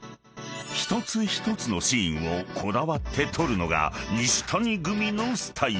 ［一つ一つのシーンをこだわって撮るのが西谷組のスタイル］